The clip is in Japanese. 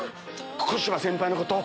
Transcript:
小芝先輩のこと。